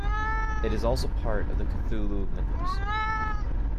It is also part of the Cthulhu Mythos.